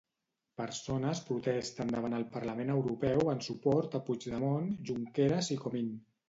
Persones protesten davant el parlament europeu en suport a Puigdemont, Junqueras i Comín.